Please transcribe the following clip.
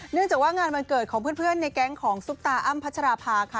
จากว่างานวันเกิดของเพื่อนในแก๊งของซุปตาอ้ำพัชราภาค่ะ